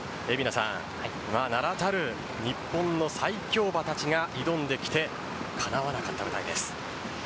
名だたる日本の最強馬たちが挑んできてかなわなかった舞台です。